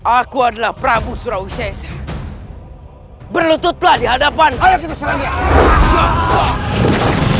aku adalah prabu surawi seseber berlututlah di hadapan ayah kita serangnya